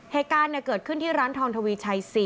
เหตุการณ์เกิดขึ้นที่ร้านทองทวีชัย๔